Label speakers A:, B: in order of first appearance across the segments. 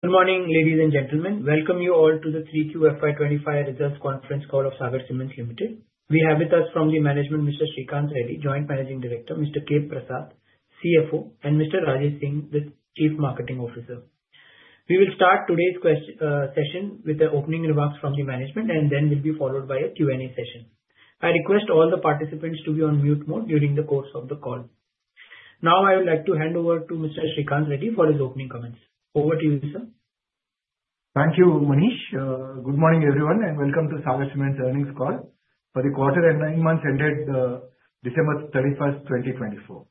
A: Good morning, ladies and gentlemen. Welcome you all to the 3Q FY25 Results Conference call of Sagar Cements. Manish. We have with us from the management Mr. Sreekanth Reddy, Joint Managing Director, Mr. K. Prasad, CFO, and Mr. Rajesh Singh, the Chief Marketing Officer. We will start today's session with the opening remarks from the management, and then will be followed by a Q&A session. I request all the participants to be on mute mode during the course of the call. Now, I would like to hand over to Mr. Sreekanth Reddy for his opening comments. Over to you, sir.
B: Thank you, Manish. Good morning, everyone, and welcome to Sagar Cements' earnings call for the quarter and nine months ended December 31, 2024.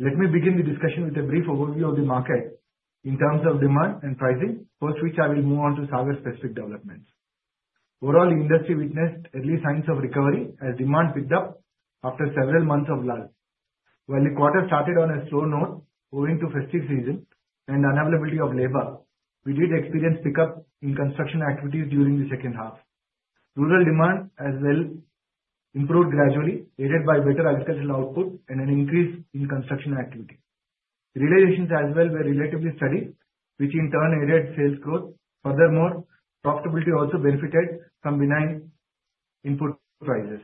B: Let me begin the discussion with a brief overview of the market in terms of demand and pricing, post which I will move on to Sagar-specific developments. Overall, the industry witnessed early signs of recovery as demand picked up after several months of lull. While the quarter started on a slow note, owing to festive season and unavailability of labor, we did experience pickup in construction activities during the second half. Rural demand as well improved gradually, aided by better agricultural output and an increase in construction activity. Realizations as well were relatively steady, which in turn aided sales growth. Furthermore, profitability also benefited from benign input prices.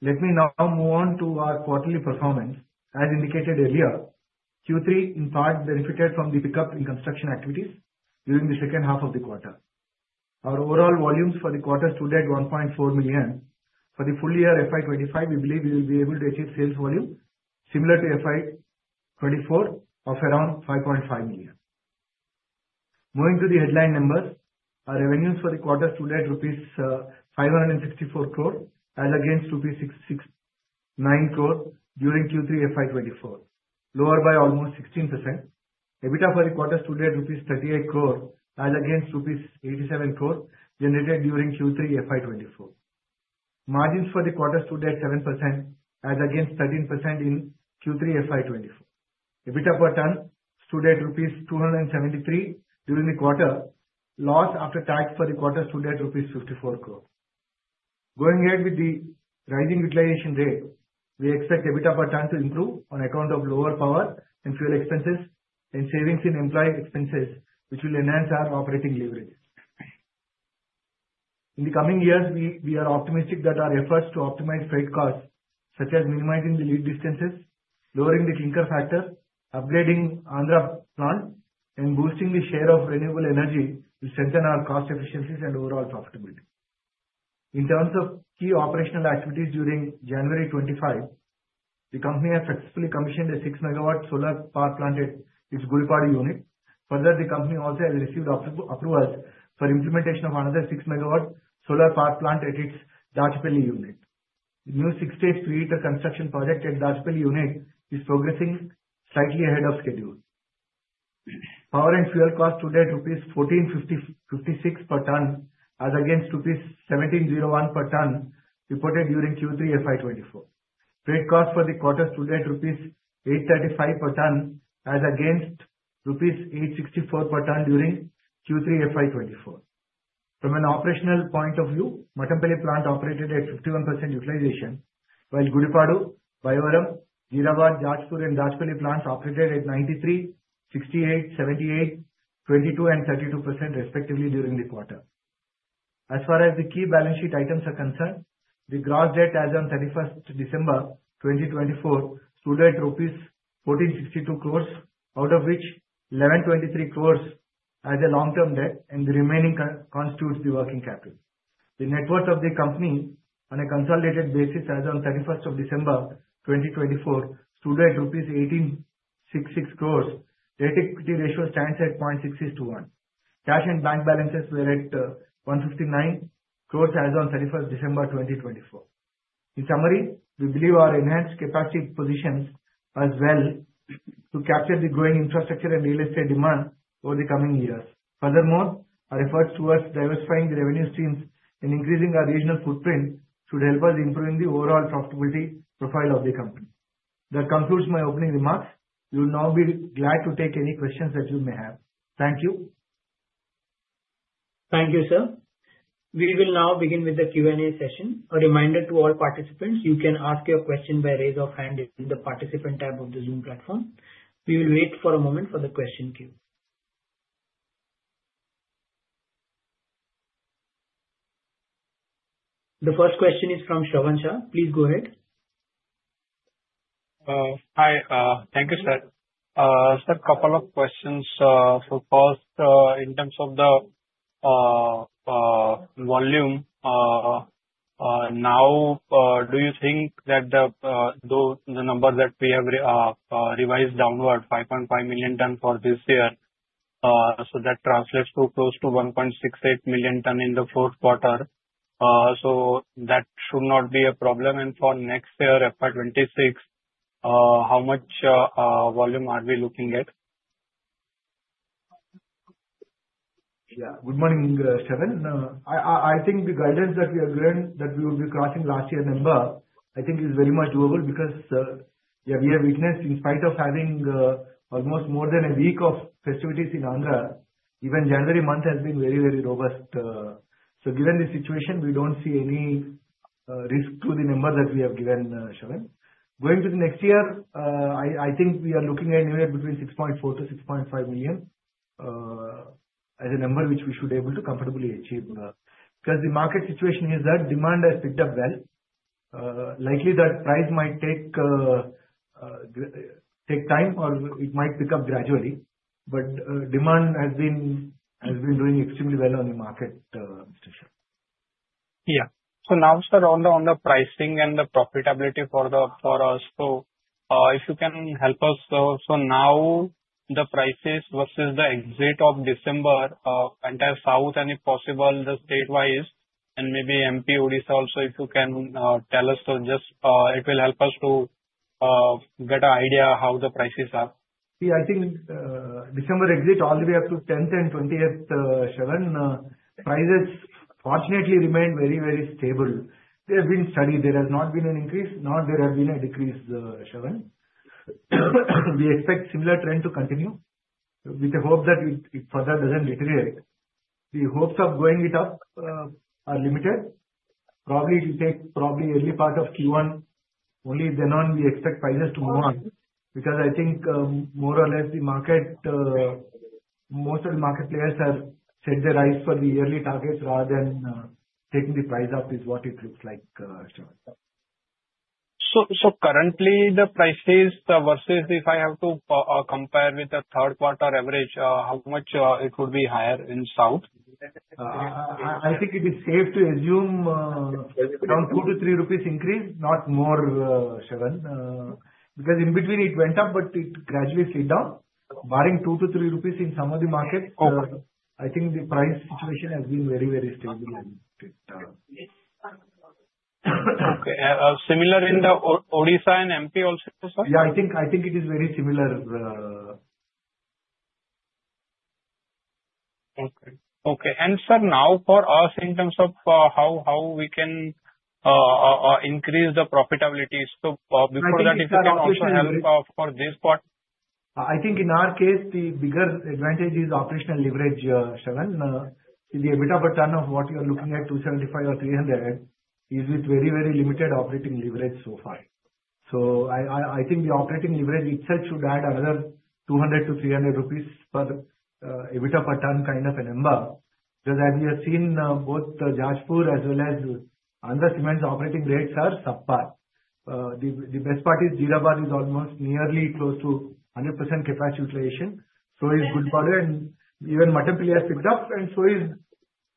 B: Let me now move on to our quarterly performance. As indicated earlier, Q3 in part benefited from the pickup in construction activities during the second half of the quarter. Our overall volumes for the quarter stood at 1.4 million. For the full year FY25, we believe we will be able to achieve sales volume similar to FY24 of around 5.5 million. Moving to the headline numbers, our revenues for the quarter stood at rupees 564 crore as against rupees 669 crore during Q3 FY24, lower by almost 16%. EBITDA for the quarter stood at rupees 38 crore as against rupees 87 crore generated during Q3 FY24. Margins for the quarter stood at 7% as against 13% in Q3 FY24. EBITDA per ton stood at rupees 273 during the quarter. Loss after tax for the quarter stood at rupees 54 crore. Going ahead with the rising utilization rate, we expect EBITDA per ton to improve on account of lower power and fuel expenses and savings in employee expenses, which will enhance our operating leverage. In the coming years, we are optimistic that our efforts to optimize freight costs, such as minimizing the lead distances, lowering the clinker factor, upgrading the Andhra plant, and boosting the share of renewable energy, will strengthen our cost efficiencies and overall profitability. In terms of key operational activities during January 2025, the company has successfully commissioned a six-megawatt solar power plant at its Gudipadu unit. Further, the company also has received approvals for the implementation of another six-megawatt solar power plant at its Dachepalli unit. The new six-stage pre-heater construction project at Dachepalli unit is progressing slightly ahead of schedule. Power and fuel costs stood at rupees 1,456 per ton as against rupees 1,701 per ton reported during Q3 FY24. Freight costs for the quarter stood at rupees 835 per ton as against rupees 864 per ton during Q3 FY24. From an operational point of view, Mattampally plant operated at 51% utilization, while Gudipadu, Bayyavaram, Jeerabad, Jajpur, and Dachepalli plants operated at 93%, 68%, 78%, 22%, and 32% respectively during the quarter. As far as the key balance sheet items are concerned, the gross debt as of 31 December 2024 stood at rupees 1,462 crore, out of which 1,123 crore as a long-term debt, and the remaining constitutes the working capital. The net worth of the company on a consolidated basis as of 31 December 2024 stood at rupees 1,866 crore. Debt-equity ratio stands at 0.66:1. Cash and bank balances were at 159 crore as of 31 December 2024. In summary, we believe our enhanced capacity positions as well to capture the growing infrastructure and real estate demand over the coming years. Furthermore, our efforts towards diversifying the revenue streams and increasing our regional footprint should help us improve the overall profitability profile of the company. That concludes my opening remarks. We will now be glad to take any questions that you may have. Thank you.
A: Thank you, sir. We will now begin with the Q&A session. A reminder to all participants, you can ask your question by raising your hand in the participant tab of the Zoom platform. We will wait for a moment for the question queue. The first question is from Shravan Shah. Please go ahead. Hi, thank you, sir. Sir, a couple of questions. So first, in terms of the volume, now, do you think that the number that we have revised downward, 5.5 million tonnes for this year, so that translates to close to 1.68 million tonnes in the fourth quarter? so that should not be a problem. And for next year, FY26, how much volume are we looking at?
B: Yeah, good morning, Shravan. I think the guidance that we agreed that we would be crossing last year's number, I think, is very much doable because, yeah, we have witnessed, in spite of having almost more than a week of festivities in Andhra, even January month has been very, very robust. So given the situation, we don't see any risk to the number that we have given, Shravan. Going to the next year, I think we are looking at anywhere between 6.4 to 6.5 million as a number which we should be able to comfortably achieve. Because the market situation is that demand has picked up well. Likely, that price might take time, or it might pick up gradually. But demand has been doing extremely well on the market, Mr. Shravan. Yeah. So now, sir, on the pricing and the profitability for us, if you can help us, so now the prices versus the exit of December, and South, and if possible, the state-wise, and maybe MP, Odisha also, if you can tell us, so just it will help us to get an idea of how the prices are. Yeah, I think December exit all the way up to 10th and 20th, Shravan. Prices, fortunately, remained very, very stable. They have been steady. There has not been an increase, nor there has been a decrease, Shravan. We expect a similar trend to continue with the hope that it further doesn't deteriorate. The hopes of going it up are limited. Probably it will take probably early part of Q1. Only then on, we expect prices to move up. Because I think, more or less, the market, most of the market players have set their eyes for the yearly targets rather than taking the price up is what it looks like, Shravan. So currently, the prices versus if I have to compare with the third quarter average, how much it would be higher in South? I think it is safe to assume around 2 to 3 rupees increase, not more, Shravan. Because in between, it went up, but it gradually slid down. Barring 2 to 3 rupees in some of the markets, I think the price situation has been very, very stable. Okay. Similar in the Odisha and MP also, sir? Yeah, I think it is very similar. Okay. And, sir, now, for us, in terms of how we can increase the profitability, so before that, if you can also help for this part. I think in our case, the bigger advantage is operational leverage, Shravan. The EBITDA per ton of what you are looking at, 275 or 300, is with very, very limited operating leverage so far. So I think the operating leverage itself should add another 200 to 300 rupees per EBITDA per ton kind of a number. Because as we have seen, both Jajpur as well as Andhra Cements' operating rates are subdued. The best part is Jeerabad is almost nearly close to 100% capacity utilization. So is Gudipadu, and even Mattampally has picked up, and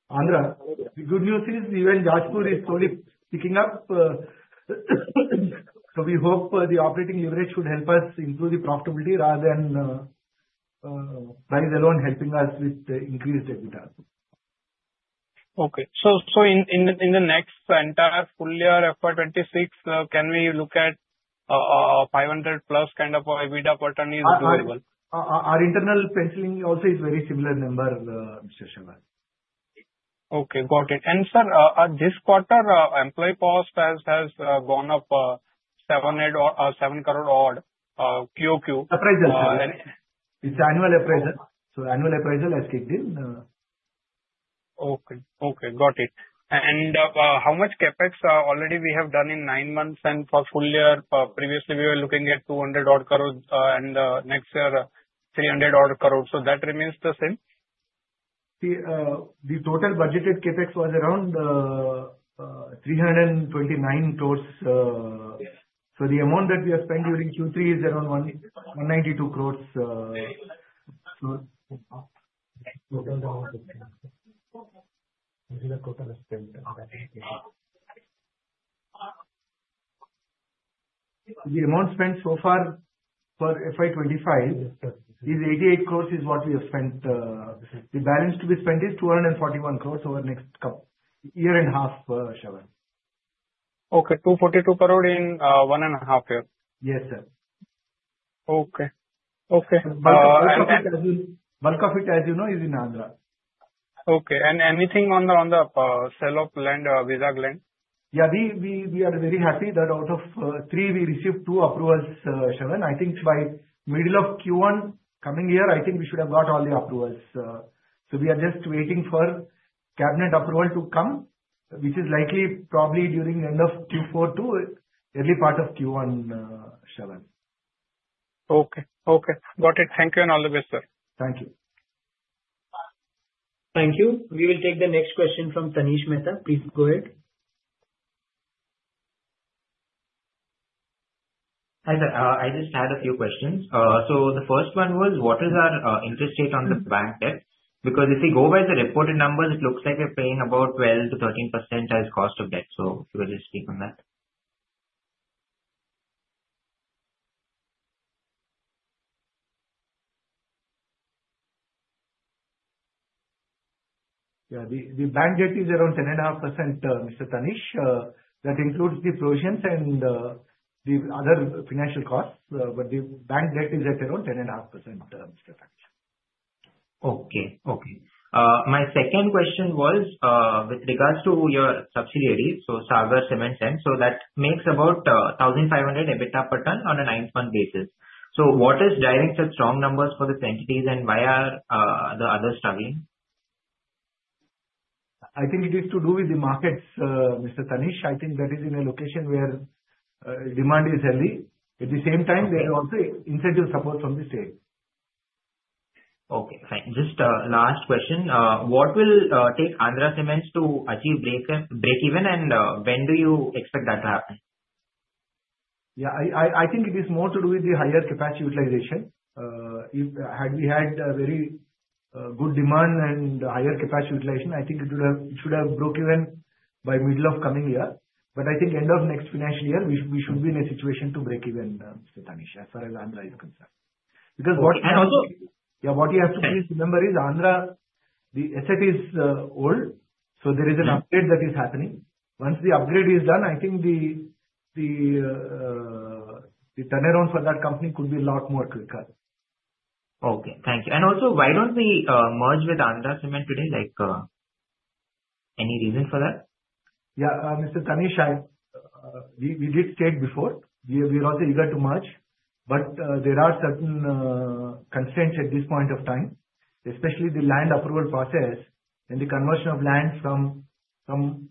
B: so is Andhra. The good news is even Jajpur is slowly picking up. So we hope the operating leverage should help us improve the profitability rather than price alone helping us with increased EBITDA. In the next entire full year FY26, can we look at 500-plus kind of EBITDA per ton is doable? Our internal penciling also is very similar number, Mr. Shravan. Okay. Got it. And, sir, this quarter, employee cost has gone up 700 or 7 crore odd QOQ. It's annual appraisal. So annual appraisal has kicked in. Okay. Okay. Got it. And how much CapEx already we have done in nine months and for full year? Previously, we were looking at 200 crore and next year 300 crore. So that remains the same? The total budgeted CapEx was around 329 crore. So the amount that we have spent during Q3 is around INR 192 crore. The amount spent so far for FY25 is 88 crore. The balance to be spent is 241 crore over next year and a half, Shravan. Okay. 242 crore in one and a half year? Yes, sir. Okay. Okay. Bulk of it, as you know, is in Andhra. Okay. And anything on the sale of land, Vizag land? Yeah, we are very happy that out of three, we received two approvals, Shravan. I think by middle of Q1 coming year, I think we should have got all the approvals. So we are just waiting for cabinet approval to come, which is likely probably during the end of Q4 to early part of Q1, Shravan. Okay. Okay. Got it. Thank you in all the way, sir. Thank you.
A: Thank you. We will take the next question from Tanish Mehta. Please go ahead. Hi, sir. I just had a few questions. So the first one was, what is our interest rate on the bank debt? Because if we go by the reported numbers, it looks like we're paying about 12%-13% as cost of debt. So if you could just speak on that.
B: Yeah, the bank debt is around 10.5%, Mr. Tanish. That includes the provisions and the other financial costs. But the bank debt is at around 10.5%, Mr. Tanish. Okay. Okay. My second question was with regards to your subsidiaries, so Sagar Cements and so that makes about 1,500 EBITDA per ton on a nine-month basis. So what is driving such strong numbers for these entities, and why are the others struggling? I think it is to do with the markets, Mr. Tanish. I think that is in a location where demand is heavy. At the same time, there is also incentive support from the state. Okay. Fine. Just last question. What will it take Andhra Cements to achieve breakeven, and when do you expect that to happen? Yeah, I think it is more to do with the higher capacity utilization. Had we had very good demand and higher capacity utilization, I think it should have broken even by middle of coming year. But I think end of next financial year, we should be in a situation to break even, Mr. Tanish, as far as Andhra is concerned. Because what we have to please remember is Andhra, the asset is old, so there is an upgrade that is happening. Once the upgrade is done, I think the turnaround for that company could be a lot more quicker. Okay. Thank you. And also, why don't we merge with Andhra Cements today? Any reason for that? Yeah, Mr. Tanish, we did state before. We are also eager to merge, but there are certain constraints at this point of time, especially the land approval process and the conversion of land from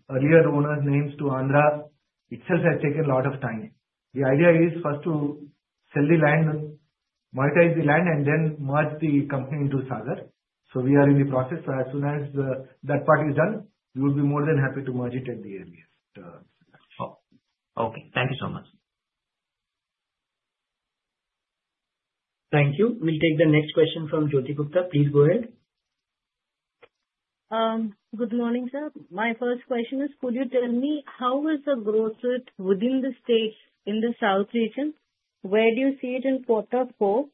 B: earlier owners' names to Andhra itself has taken a lot of time. The idea is first to sell the land, monetize the land, and then merge the company into Sagar. So we are in the process. So as soon as that part is done, we would be more than happy to merge it at the earliest. Okay. Thank you so much.
A: Thank you. We'll take the next question from Jyoti Gupta. Please go ahead. Good morning, sir. My first question is, could you tell me how is the growth rate within the states in the South region? Where do you see it in quarter four?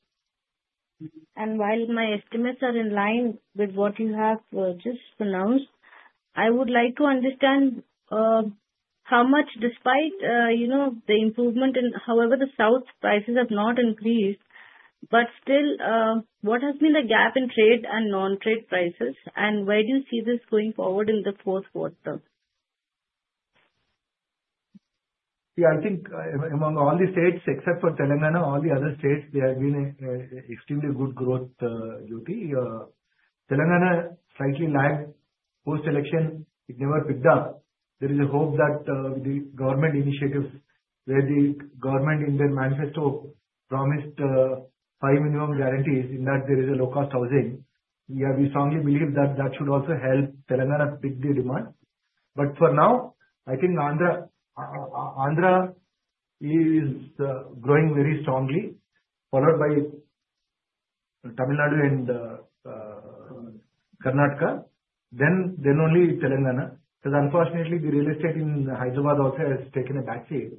A: And while my estimates are in line with what you have just pronounced, I would like to understand how much, despite the improvement, however the South prices have not increased, but still, what has been the gap in trade and non-trade prices? And where do you see this going forward in the fourth quarter?
B: Yeah, I think among all the states, except for Telangana, all the other states, there has been extremely good growth, Jyoti. Telangana slightly lagged post-election. It never picked up. There is a hope that with the government initiatives where the government in their manifesto promised high minimum guarantees in that there is a low-cost housing. Yeah, we strongly believe that that should also help Telangana pick up the demand. But for now, I think Andhra is growing very strongly, followed by Tamil Nadu and Karnataka. Then only Telangana. Because unfortunately, the real estate in Hyderabad also has taken a back seat.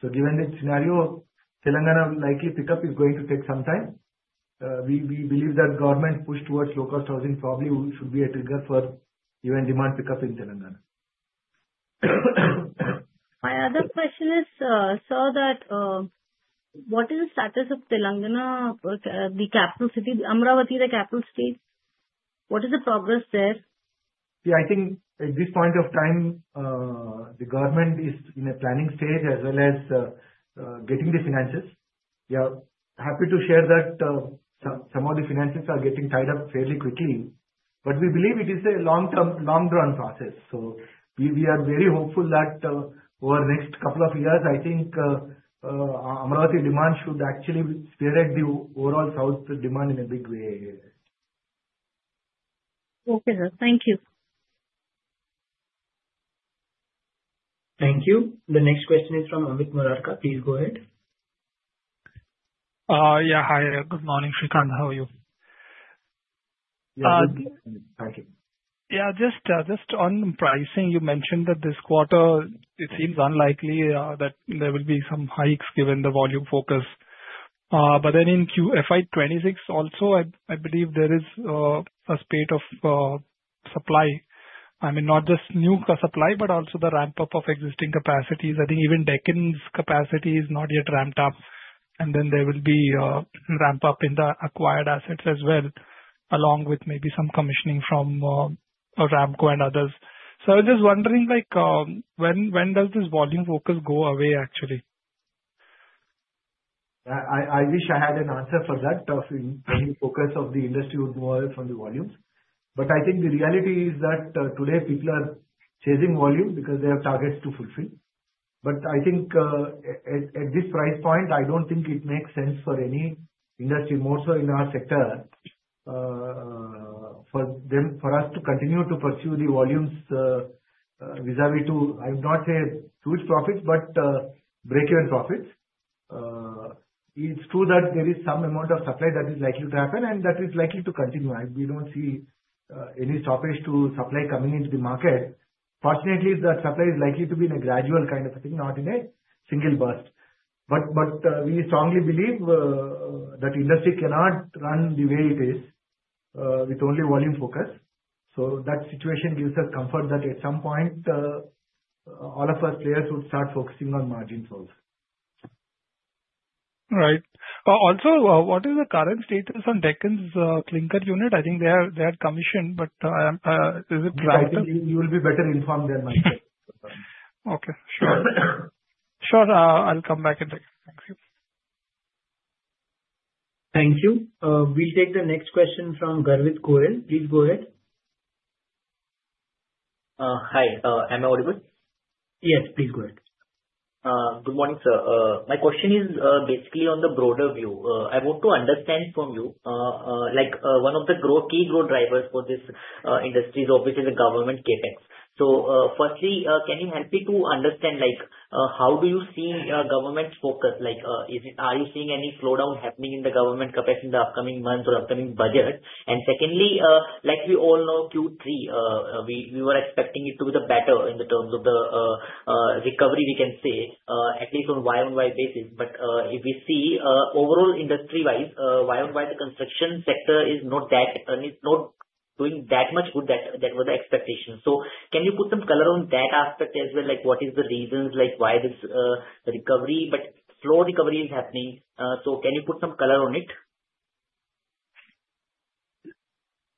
B: So given that scenario, Telangana likely pick up is going to take some time. We believe that government push towards low-cost housing probably should be a trigger for even demand pick up in Telangana. My other question is, sir, that what is the status of Telangana, the capital city, Amaravati, the capital state? What is the progress there? Yeah, I think at this point of time, the government is in a planning stage as well as getting the finances. We are happy to share that some of the finances are getting tied up fairly quickly. But we believe it is a long-term, long-run process. So we are very hopeful that over the next couple of years, I think Amaravati demand should actually spur the overall South demand in a big way. Okay, sir. Thank you.
A: Thank you. The next question is from Amit Murarka. Please go ahead. Yeah. Hi. Good morning, Sreekanth. How are you?
B: Yeah, just on pricing, you mentioned that this quarter, it seems unlikely that there will be some hikes given the volume focus. But then in Q1 FY26 also, I believe there is a spate of supply. I mean, not just new supply, but also the ramp-up of existing capacities. I think even Deccan's capacity is not yet ramped up. And then there will be a ramp-up in the acquired assets as well, along with maybe some commissioning from Ramco and others. So I was just wondering, when does this volume focus go away, actually? Yeah, I wish I had an answer for that of when the focus of the industry would move away from the volumes. But I think the reality is that today, people are chasing volume because they have targets to fulfill. But I think at this price point, I don't think it makes sense for any industry, more so in our sector, for us to continue to pursue the volumes vis-à-vis to, I would not say huge profits, but break-even profits. It's true that there is some amount of supply that is likely to happen and that is likely to continue. We don't see any stoppage to supply coming into the market. Fortunately, that supply is likely to be in a gradual kind of a thing, not in a single burst. But we strongly believe that industry cannot run the way it is with only volume focus. So that situation gives us comfort that at some point, all of us players would start focusing on margins also. Right. Also, what is the current status on Deccan's clinker unit? I think they had commissioned, but is it ramp-up? You will be better informed than myself. Okay. Sure. Sure. I'll come back in a second. Thank you.
A: Thank you. We'll take the next question from Garvit Goyal. Please go ahead. Hi. Am I audible? Yes, please go ahead. Good morning, sir. My question is basically on the broader view. I want to understand from you, one of the key growth drivers for this industry is obviously the government CapEx. So firstly, can you help me to understand how do you see government focus? Are you seeing any slowdown happening in the government CapEx in the upcoming month or upcoming budget? And secondly, like we all know, Q3, we were expecting it to be better in the terms of the recovery, we can say, at least on Y-o-Y basis. But if we see overall industry-wise, Y-o-Y, the construction sector is not doing that much good that was the expectation. So can you put some color on that aspect as well? What is the reasons why this recovery, but slow recovery is happening? So can you put some color on it?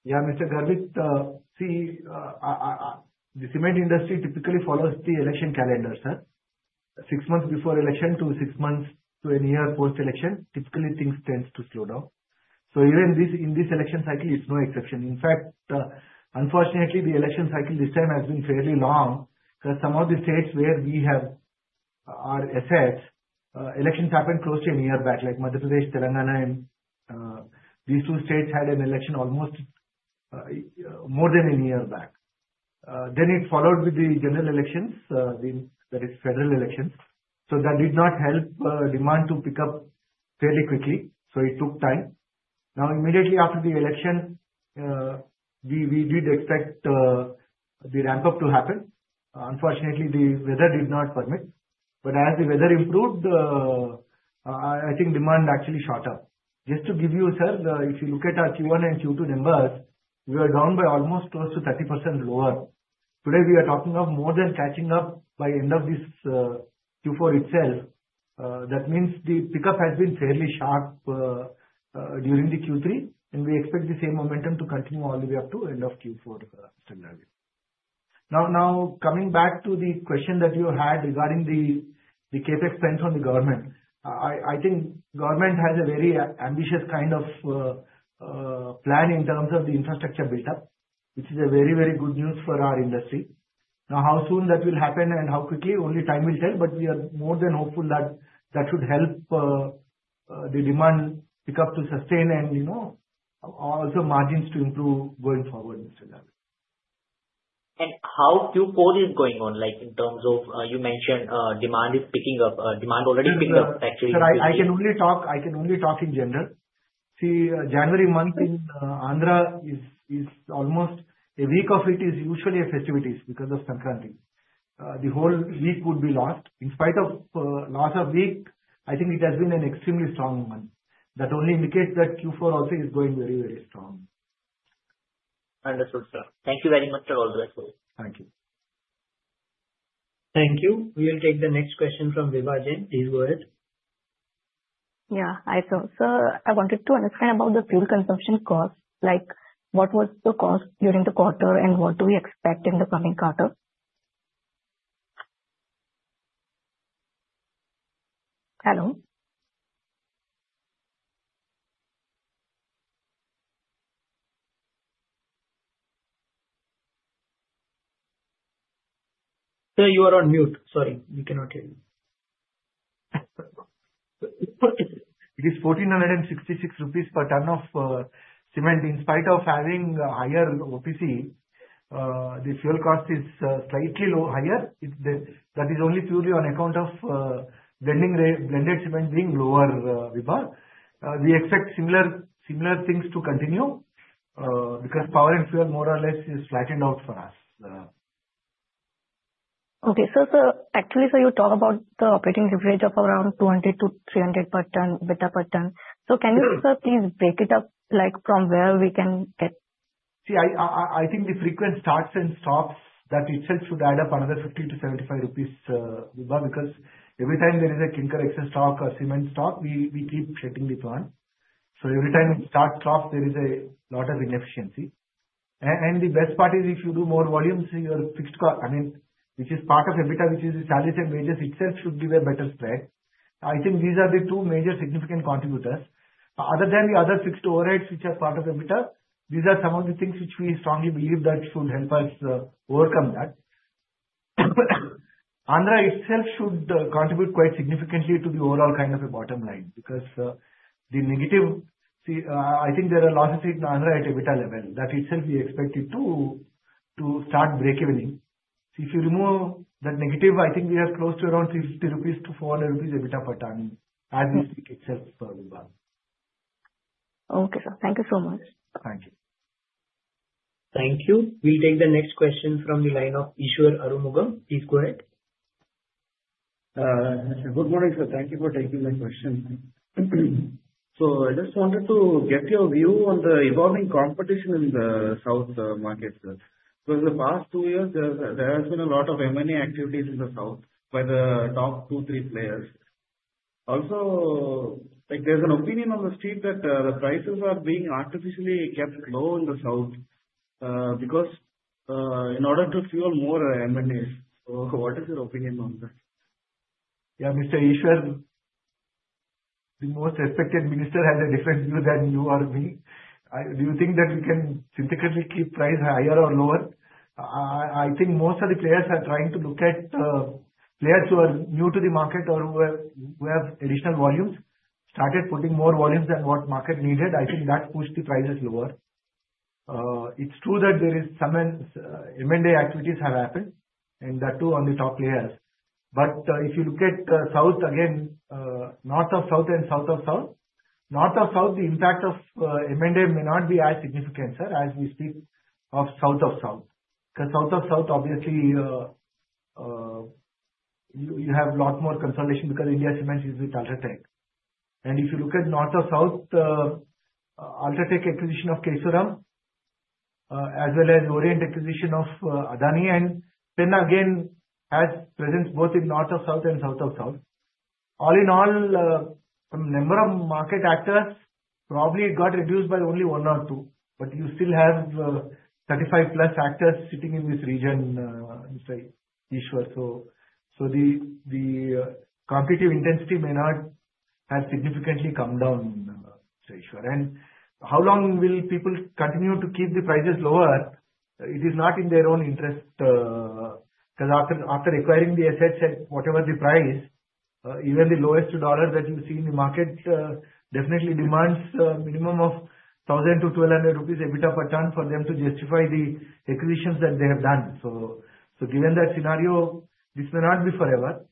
B: Yeah, Mr. Garvit, see, the cement industry typically follows the election calendar, sir. Six months before election to six months to a year post-election, typically things tend to slow down. So even in this election cycle, it's no exception. In fact, unfortunately, the election cycle this time has been fairly long because some of the states where we have our assets, elections happened close to a year back, like Madhya Pradesh, Telangana, and these two states had an election almost more than a year back. Then it followed with the general elections, that is, federal elections. So that did not help demand to pick up fairly quickly. So it took time. Now, immediately after the election, we did expect the ramp-up to happen. Unfortunately, the weather did not permit. But as the weather improved, I think demand actually shot up. Just to give you, sir, if you look at our Q1 and Q2 numbers, we were down by almost close to 30% lower. Today, we are talking of more than catching up by end of this Q4 itself. That means the pickup has been fairly sharp during the Q3, and we expect the same momentum to continue all the way up to end of Q4. Now, coming back to the question that you had regarding the CapEx spent on the government, I think government has a very ambitious kind of plan in terms of the infrastructure build-up, which is very, very good news for our industry. Now, how soon that will happen and how quickly, only time will tell, but we are more than hopeful that that should help the demand pickup to sustain and also margins to improve going forward, Mr. Garvit. How Q4 is going on in terms of you mentioned demand is picking up, demand already picked up actually? I can only talk in general. See, January month in Andhra is almost a week of it is usually a festivities because of Sankranti. The whole week would be lost. In spite of loss of week, I think it has been an extremely strong month. That only indicates that Q4 also is going very, very strong. Understood, sir. Thank you very much. All the best for you. Thank you.
A: Thank you. We will take the next question from Vaibhav. Please go ahead. Yeah. Hi, sir. Sir, I wanted to understand about the fuel consumption cost. What was the cost during the quarter and what do we expect in the coming quarter? Hello? Sir, you are on mute. Sorry, we cannot hear you.
B: It is 1,466 rupees per ton of cement. In spite of having a higher OPC, the fuel cost is slightly higher. That is only purely on account of blended cement being lower, Vaibhav. We expect similar things to continue because power and fuel more or less is flattened out for us. Okay. So, sir, actually, sir, you talk about the operating leverage of around 200-300 per ton, better per ton. So can you, sir, please break it up from where we can get? See, I think the frequent starts and stops that itself should add up another 50-75 rupees, Vaibhav, because every time there is a clinker extra stock or cement stock, we keep shutting the plant. So every time it starts and stops, there is a lot of inefficiency. And the best part is if you do more volumes, your fixed costs, I mean, which is part of EBITDA, which is the salaries and wages itself should give a better spread. I think these are the two major significant contributors. Other than the other fixed overheads, which are part of EBITDA, these are some of the things which we strongly believe that should help us overcome that. Andhra itself should contribute quite significantly to the overall kind of a bottom line because the negative, see, I think there are losses in Andhra at EBITDA level that itself we expect it to start breakevening. If you remove that negative, I think we have close to around 350-400 rupees EBITDA per ton as we speak itself, Vaibhav. Okay. Thank you so much. Thank you.
A: Thank you. We'll take the next question from the line of Eshwar Arumugam. Please go ahead. Good morning, sir. Thank you for taking the question. So I just wanted to get your view on the evolving competition in the South market. Because in the past two years, there has been a lot of M&A activities in the South by the top two, three players. Also, there's an opinion on the street that the prices are being artificially kept low in the South because in order to fuel more M&As. So what is your opinion on that?
B: Yeah, Mr. Eshwar, the most respected minister has a different view than you or me. Do you think that we can sympathetically keep price higher or lower? I think most of the players are trying to look at players who are new to the market or who have additional volumes, started putting more volumes than what market needed. I think that pushed the prices lower. It's true that there is some M&A activities have happened and that too on the top players. But if you look at South, again, North of South and South of South, North of South, the impact of M&A may not be as significant, sir, as we speak of South of South. Because South of South, obviously, you have a lot more consolidation because India Cements is with UltraTech. If you look at north of South, UltraTech acquisition of Kesoram, as well as Adani acquisition of Orient, and then again, has presence both in north of South and south of South. All in all, a number of market actors probably got reduced by only one or two, but you still have 35 plus actors sitting in this region, Mr. Eshwar. So the competitive intensity may not have significantly come down, Mr. Eshwar. And how long will people continue to keep the prices lower? It is not in their own interest. Because after acquiring the assets at whatever the price, even the lowest dollar that you see in the market definitely demands a minimum of 1,000-1,200 rupees EBITDA per ton for them to justify the acquisitions that they have done. So given that scenario, this may not be forever.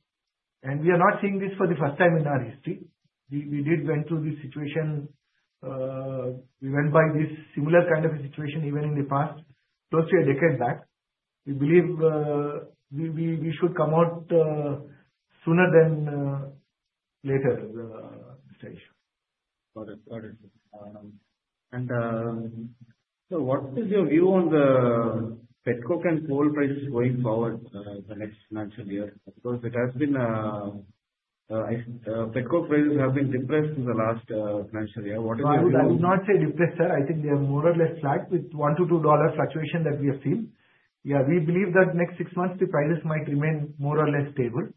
B: We are not seeing this for the first time in our history. We did went through this situation. We went by this similar kind of a situation even in the past, close to a decade back. We believe we should come out sooner than later, Mr. Eshwar. Got it. Got it. And sir, what is your view on the petcoke and coal prices going forward the next financial year? Because it has been petcoke prices have been depressed in the last financial year. What is your view? I would not say depressed, sir. I think they are more or less flat with one- to two-dollar fluctuation that we have seen. Yeah, we believe that next six months, the prices might remain more or less stable.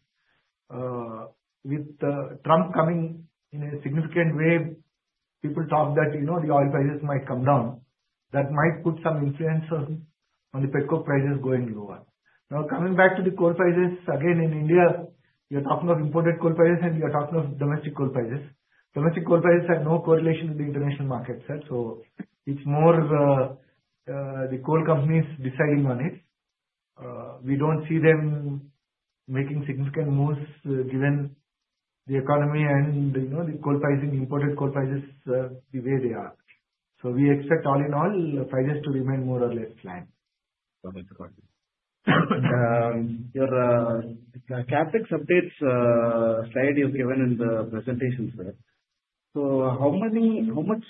B: With Trump coming in a significant way, people talk that the oil prices might come down. That might put some influence on the petcoke prices going lower. Now, coming back to the coal prices, again, in India, you're talking of imported coal prices, and you're talking of domestic coal prices. Domestic coal prices have no correlation with the international market, sir. So it's more the coal companies deciding on it. We don't see them making significant moves given the economy and the coal pricing, imported coal prices, the way they are. So we expect all in all, prices to remain more or less flat. Got it. Got it. Your CapEx updates slide you've given in the presentation, sir. So how much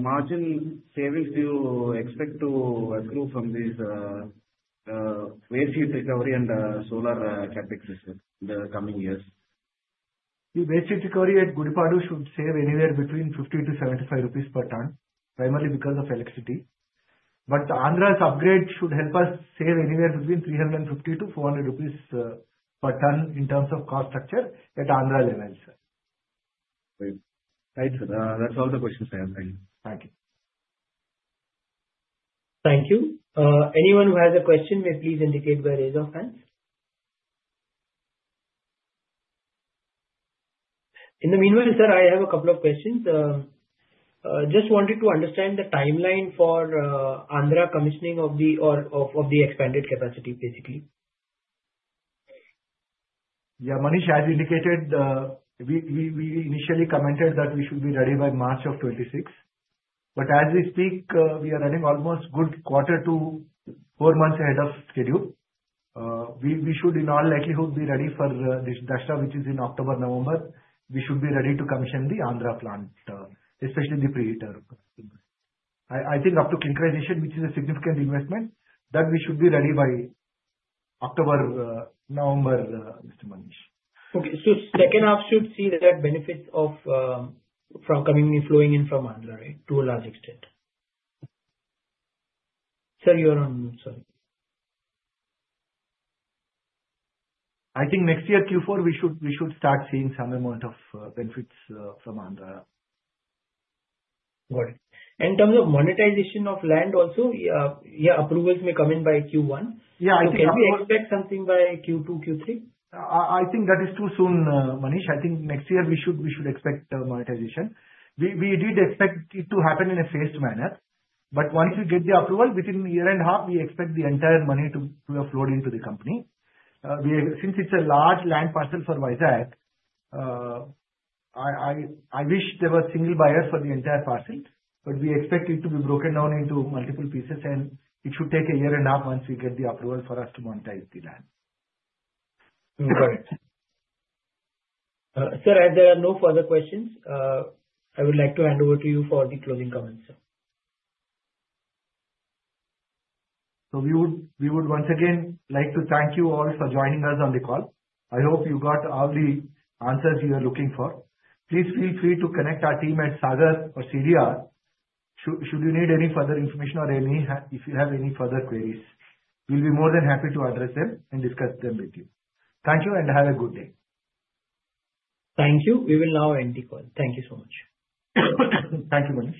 B: margin savings do you expect to accrue from this waste heat recovery and solar CapEx in the coming years? The waste heat recovery at Gudipadu should save anywhere between 50-75 rupees per ton, primarily because of electricity. But Andhra's upgrade should help us save anywhere between 350-400 rupees per ton in terms of cost structure at Andhra level, sir. Right. Right, sir. That's all the questions I have. Thank you. Thank you.
A: Thank you. Anyone who has a question may please indicate by raise of hands. In the meanwhile, sir, I have a couple of questions. Just wanted to understand the timeline for Andhra commissioning of the expanded capacity, basically.
B: Yeah, Manish, as indicated, we initially commented that we should be ready by March of 2026. But as we speak, we are running almost good quarter to four months ahead of schedule. We should, in all likelihood, be ready for this Dussehra, which is in October, November. We should be ready to commission the Andhra plant, especially the preheater. I think up to clinkerization, which is a significant investment, that we should be ready by October, November, Mr. Manish.
A: Okay. So second half should see that benefit from coming in, flowing in from Andhra, right, to a large extent. Sir, you're on mute. Sorry.
B: I think next year, Q4, we should start seeing some amount of benefits from Andhra.
A: Got it. In terms of monetization of land also, yeah, approvals may come in by Q1.
B: Yeah, I think.
A: Okay. We expect something by Q2, Q3?
B: I think that is too soon, Manish. I think next year, we should expect monetization. We did expect it to happen in a phased manner. But once we get the approval, within a year and a half, we expect the entire money to have flowed into the company. Since it's a large land parcel for Vizag, I wish there were single buyers for the entire parcel, but we expect it to be broken down into multiple pieces, and it should take a year and a half once we get the approval for us to monetize the land.
A: Got it. Sir, there are no further questions. I would like to hand over to you for the closing comments, sir.
B: So we would once again like to thank you all for joining us on the call. I hope you got all the answers you are looking for. Please feel free to connect our team at Sagar or CDR should you need any further information or if you have any further queries. We'll be more than happy to address them and discuss them with you. Thank you and have a good day.
A: Thank you. We will now end the call. Thank you so much.
B: Thank you, Manish.